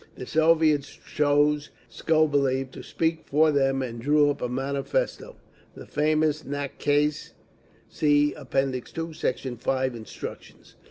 The Soviets chose Skobeliev to speak for them and drew up a manifesto, the famous nakaz—(See App. II, Sect. 5) instructions.